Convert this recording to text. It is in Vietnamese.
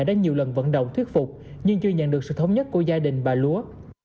đã nhiều lần vận động thuyết phục nhưng chưa nhận được sự thống nhất của gia đình bà lúa